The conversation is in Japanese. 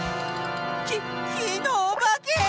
ききのおばけ！